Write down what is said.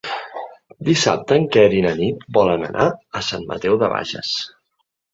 Dissabte en Quer i na Nit volen anar a Sant Mateu de Bages.